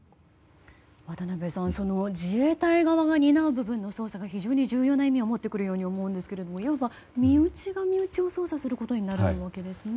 渡辺さん自衛隊側が担う部分の捜査が非常に重要な意味を持ってくるように思いますがいわば身内が身内を捜査することになるわけですね。